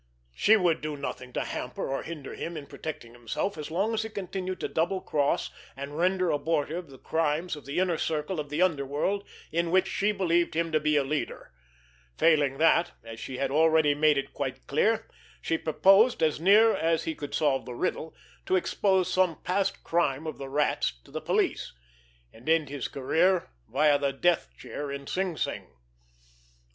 She would do nothing to hamper or hinder him in protecting himself, as long as he continued to double cross and render abortive the crimes of that inner circle of the underworld in which she believed him to be a leader; failing that, as she had already made it quite clear, she proposed, as near as he could solve the riddle, to expose some past crime of the Rat's to the police, and end his career via the death chair in Sing Sing.